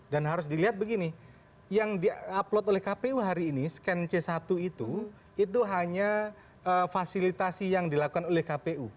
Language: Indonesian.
dan harus dilihat begini yang di upload oleh kpu hari ini scan c satu itu itu hanya fasilitasi yang dilakukan oleh kpu